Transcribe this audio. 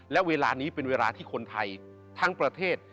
และเวลานี้เป็นเวลาที่คนไทยทั้งประเทศ